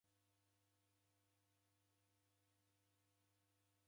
W'abwaghi suti w'iw'ado.